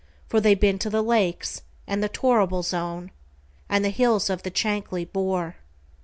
For they've been to the Lakes, and the Torrible Zone, And the hills of the Chankly Bore."